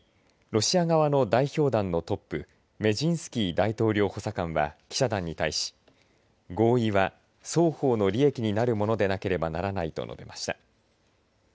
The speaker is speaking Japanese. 会談を前にロシア側の代表団のトップメジンスキー大統領補佐官は記者団に対し合意は双方の利益になるものでなければならないと述べました。